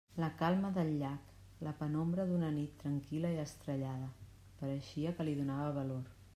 La calma del llac, la penombra d'una nit tranquil·la i estrellada, pareixia que li donava valor.